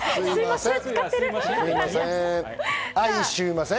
すいません。